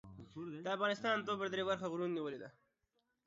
د افغانستان دوه پر درې برخه غرونو نیولې ده.